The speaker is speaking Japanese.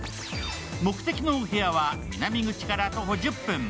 目的のお部屋は南口から徒歩１０分。